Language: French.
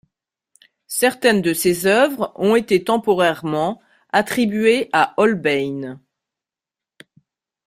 Certaines de ses œuvres ont été temporairement attribuées à Holbein.